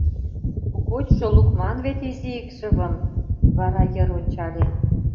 Гочшо лукман вет изи икшывым? — вара йыр ончале.